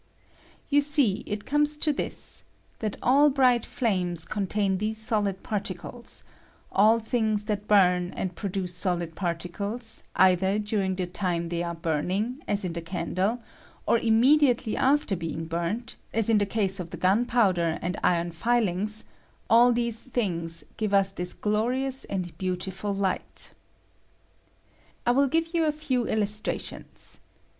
You see it comes to this — that all bright flames con tain these Bohd particles ; all things that bum and produce solid particles, either during the time they are burning, as in the candle, or im mediately after being bumt, as in the case of the gunpowder and iron filings — all these things give ua thia glorious and beautiful light I will give you a few illustrations.